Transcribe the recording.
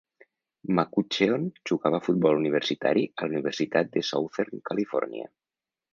McCutcheon jugava a futbol universitari a la Universitat de Southern California.